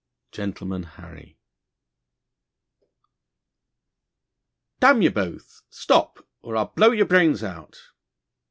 II GENTLEMAN HARRY 'DAMN ye both! stop, or I will blow your brains out!'